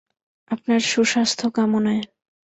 আপনার সুস্বাস্থ্য কামনায়।